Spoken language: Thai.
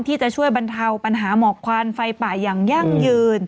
ที่จะช่วยบรรเทาปัญหาหมอกควันไฟป่าอย่างยั่งยืน